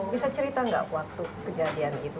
bisa cerita nggak waktu kejadian itu